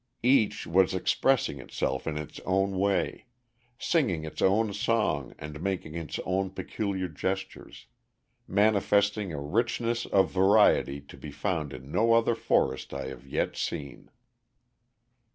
Each was expressing itself in its own way, singing its own song and making its own peculiar gestures, manifesting a richness of variety to be found in no other forest I have yet seen.